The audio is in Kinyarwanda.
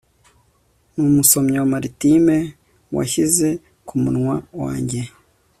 Numusomyi wa Maritime washyize kumunwa wanjye